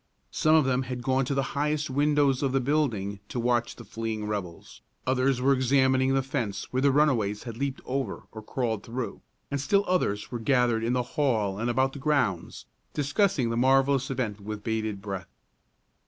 Some of them had gone to the highest windows of the building to watch the fleeing rebels; others were examining the fence where the runaways had leaped over or crawled through; and still others were gathered in the hall and about the grounds, discussing the marvellous event with bated breath.